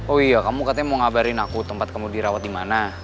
oh iya kamu katanya mau ngabarin aku tempat kamu dirawat di mana